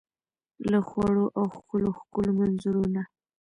له خوړو او ښکلو ، ښکلو منظرو نه